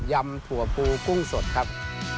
ยำถั่วปูกุ้งสดครับ